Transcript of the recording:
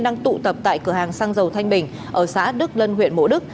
đang tụ tập tại cửa hàng xăng dầu thanh bình ở xã đức lân huyện mộ đức